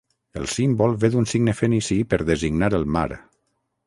El símbol ve d'un signe fenici per designar el mar.